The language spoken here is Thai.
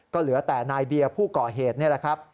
ก็เหลือแต่นายเบียร์ผู้ก่อเหตุนี่แหละครับ